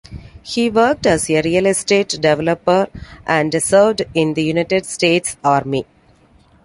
He worked as a real estate developer and served in the United States Army.